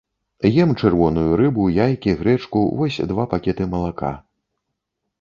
Ем чырвоную рыбу, яйкі, грэчку, вось два пакеты малака.